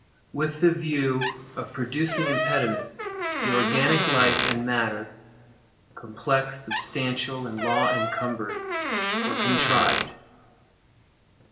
With the view of producing impediment, the organic life and matter, (complex, substantial, and law encumbered,) were contrived.